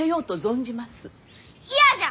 嫌じゃ！